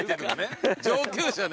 上級者ね。